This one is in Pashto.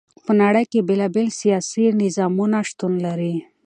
په نړی کی بیلا بیل سیاسی نظامونه شتون لری.